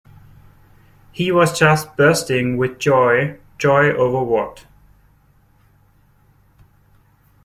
He was just bursting with joy, joy over what.